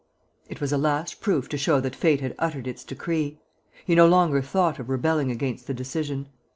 It was a last proof to show that fate had uttered its decree. He no longer thought of rebelling against the decision.